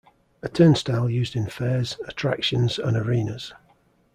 A turnstile used in fairs, attractions, and arenas.